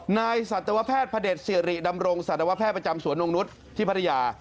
สัตวแพทย์พระเด็จสิริดำรงสัตวแพทย์ประจำสวนนงนุษย์ที่พัทยา